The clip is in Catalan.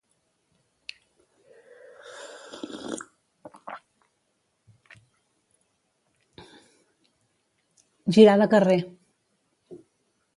Girar de carrer.